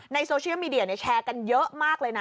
โซเชียลมีเดียแชร์กันเยอะมากเลยนะ